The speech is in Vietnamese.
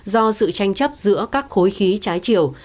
do sự tranh chấp giữa các khối khí trái chiều